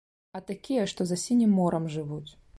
А такія, што за сінім морам жывуць.